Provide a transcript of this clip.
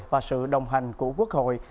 và sự đồng hành của quốc hội